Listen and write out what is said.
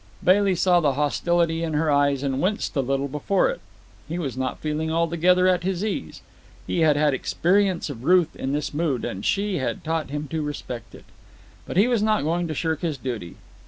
Bailey saw the hostility in her eyes and winced a little before it. He was not feeling altogether at his ease. He had had experience of Ruth in this mood, and she had taught him to respect it. But he was not going to shirk his duty.